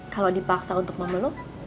kalau dipaksa untuk memeluk